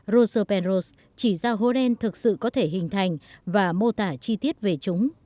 roger penrose chỉ ra hố đen thực sự có thể hình thành và mô tả chi tiết về chúng